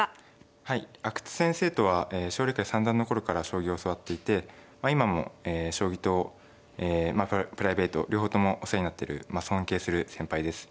阿久津先生とは奨励会三段の頃から将棋を教わっていて今も将棋とプライベート両方ともお世話になってる尊敬する先輩です。